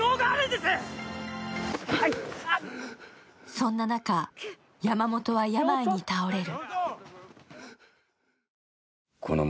そんな中、山本は病に倒れる。